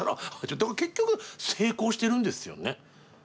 結局成功してるんですよね。